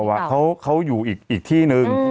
สามีเก่าเขาอยู่อีกที่นึง